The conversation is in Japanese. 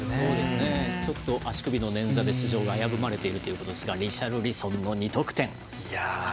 ちょっと足首の捻挫で出場が危ぶまれていますがリシャルリソンの２得点。